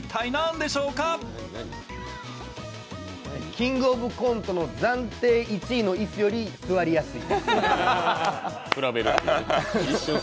「キングオブコント」の暫定１位の椅子より座りやすい。